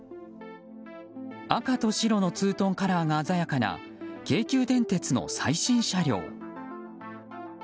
赤と白のツートンカラーが鮮やかな京急電鉄の最新車両。